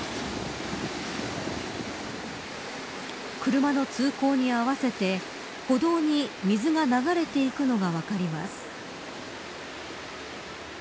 車の通行に合わせて歩道に水が流れていくのが分かります。